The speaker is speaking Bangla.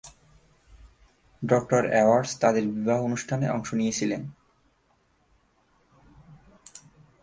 ডঃ এডওয়ার্ডস তাদের বিবাহ অনুষ্ঠানে অংশ নিয়েছিলেন।